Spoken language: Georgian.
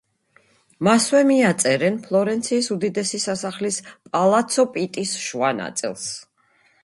მასვე მიაწერენ ფლორენციის უდიდესი სასახლის პალაცო პიტის შუა ნაწილს.